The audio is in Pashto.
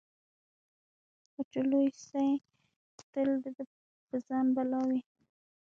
خو چي لوی سي تل د ده په ځان بلاوي